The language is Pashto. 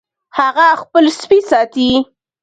هغه خپل سپی ساتي